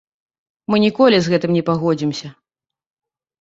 Мы ніколі з гэтым не пагодзімся.